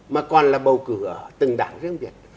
mà còn là bầu cử từng đảng riêng việt